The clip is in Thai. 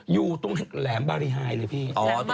อยู่ตรงแหลมบาริฮายเลยพี่อ๋อตรงแหลมบาริฮาย